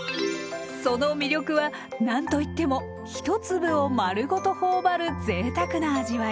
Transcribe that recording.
その魅力はなんと言っても一粒を丸ごと頬張るぜいたくな味わい。